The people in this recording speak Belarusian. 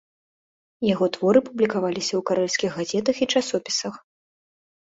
Яго творы публікаваліся ў карэльскіх газетах і часопісах.